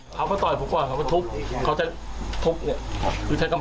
บ่อยมากครับข้าผมไปได้ความเหนื่อยก่อน